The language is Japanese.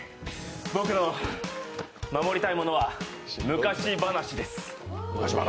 僕の守りたいものは昔話です。